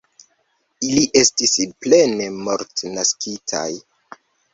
Ili estis plene mortnaskitaj.